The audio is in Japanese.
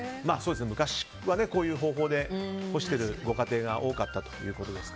昔は、こういう方法で干しているご家庭が多かったということです。